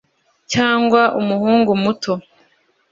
cyangwa umuhungu muto